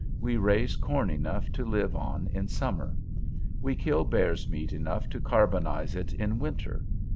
We raise corn enough to live on in summer. We kill bear's meat enough to carbonize it in winter.